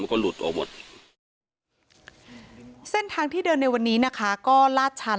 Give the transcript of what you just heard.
ก็หลุดออกหมดเส้นทางที่เดินในวันนี้นะคะก็ลาดชัน